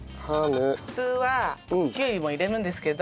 普通はきゅうりも入れるんですけど。